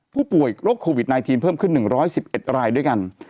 ผู้ป่วยโรคโควิด๑๙เพิ่มขึ้น๑๑๑รายด้วยกัน